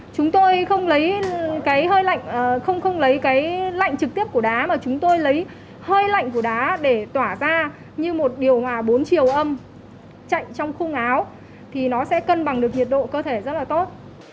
chúng tôi không lấy cái hơi lạnh không không lấy cái lạnh trực tiếp của đá mà chúng tôi lấy hơi lạnh của đá để tỏa ra như một điều hòa bốn chiều âm chạy trong khung áo thì nó sẽ cân bằng được nhiệt độ cơ thể rất là tốt